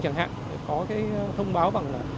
chẳng hạn có thông báo